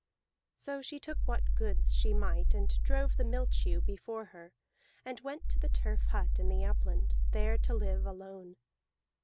So she took what goods she might, and drove the milch ewe before her, and went to the turf hut in the upland, there to live alone.